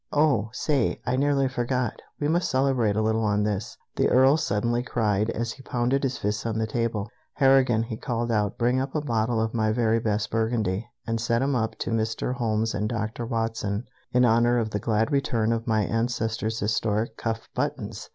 "Oh, say! I nearly forgot. We must celebrate a little on this!" the Earl suddenly cried, as he pounded his fist on the table. "Harrigan," he called out, "bring up a bottle of my very best Burgundy, and set 'em up to Mr. Holmes and Doctor Watson, in honor of the glad return of my ancestor's historic cuff buttons!"